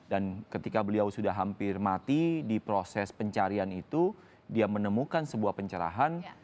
ketika beliau sudah hampir mati di proses pencarian itu dia menemukan sebuah pencerahan